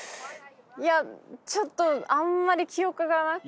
いやちょっとあんまり記憶がなくて。